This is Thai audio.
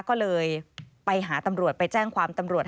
ก็เลยไปหาตำรวจไปแจ้งความตำรวจ